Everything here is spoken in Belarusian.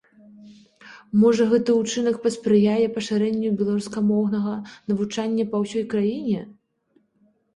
Можа, гэты ўчынак паспрыяе пашырэнню беларускамоўнага навучання па ўсёй краіне?